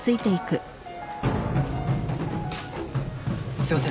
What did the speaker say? すいません。